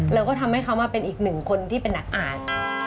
แล้วก็ทำให้เขามาเป็นอีกหนึ่งคนที่เป็นนักอ่าน